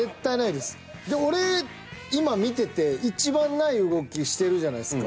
で俺今見てていちばんない動きしてるじゃないですか。